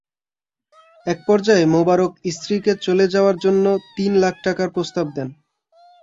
একপর্যায়ে মোবারক স্ত্রীকে চলে যাওয়ার জন্য তিন লাখ টাকার প্রস্তাব দেন।